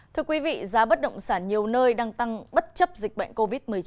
thưa quý vị giá bất động sản nhiều nơi đang tăng bất chấp dịch bệnh covid một mươi chín